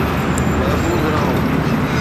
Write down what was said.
محفوظ رهو